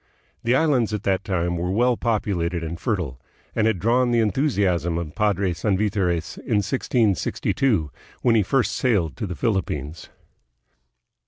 The islands at that time were well populated and fertile, and had drawn the enthusiasm of Padre Sanvitores in 1662 when he first sailed to the Philippines.